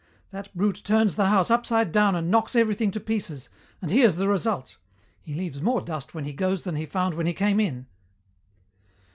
That brute turns the house upside down and knocks everything to pieces, and here's the result. He leaves more dust when he goes than he found when he came in!"